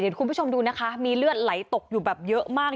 เดี๋ยวคุณผู้ชมดูนะคะมีเลือดไหลตกอยู่แบบเยอะมาก